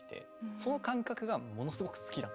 その感覚がものすごく好きだったんですよ。